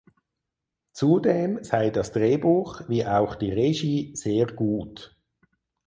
Zudem sei das Drehbuch wie auch die Regie sehr gut.